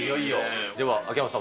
では、秋山さん。